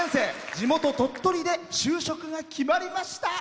地元・鳥取で就職が決まりました。